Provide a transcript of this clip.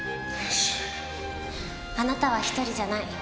あなたは一人じゃない。